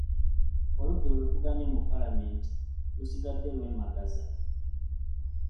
Oludda oluvuganya mu Paalamenti lusigadde lwemagaza.